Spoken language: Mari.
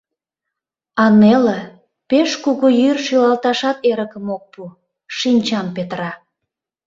А неле, пеш кугу йӱр шӱлалташат эрыкым ок пу, шинчам петыра.